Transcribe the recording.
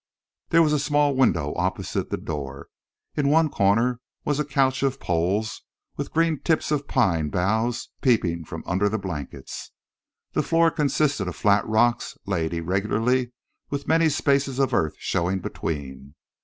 There was a small window opposite the door. In one corner was a couch of poles, with green tips of pine boughs peeping from under the blankets. The floor consisted of flat rocks laid irregularly, with many spaces of earth showing between.